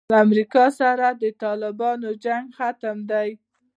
له امریکا سره د طالبانو جنګ ختم دی.